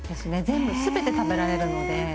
全部全て食べられるので。